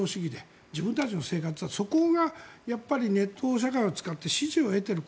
自分たちの生活はそこがネット社会を使って支持を得ている。